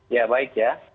ya baik ya